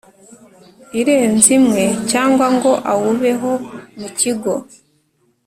Irenze imwe cyangwa ngo awubeho mu kigo